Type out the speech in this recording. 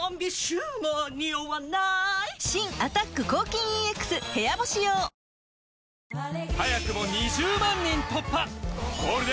新「アタック抗菌ＥＸ部屋干し用」いただき！